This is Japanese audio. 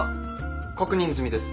確認済です。